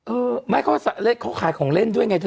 เออไม่เขาขายของเล่นด้วยไงเธอ